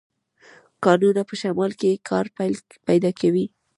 کانونه په شمال کې کار پیدا کوي.